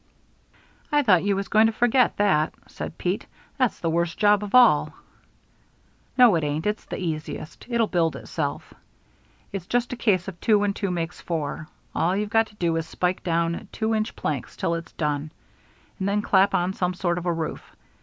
"I thought you was going to forget that," said Pete. "That's the worst job of all." "No, it ain't. It's the easiest. It'll build itself. It's just a case of two and two makes four. All you've got to do is spike down two inch planks till it's done, and then clap on some sort of a roof.